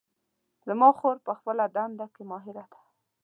زما خور په خپله دنده کې ماهره ده